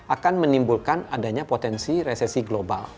akan menimbulkan adanya potensi resesi global